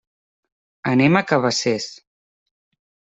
Anem a Cabacés.